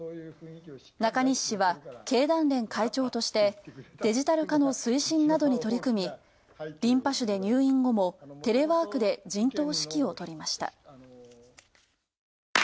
中西氏は経団連会長としてデジタル化の推進などに取り組みリンパ腫で入院後も、テレワークで陣頭指揮を執りました。